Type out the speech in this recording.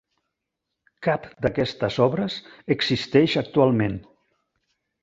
Cap d'aquestes obres existeix actualment.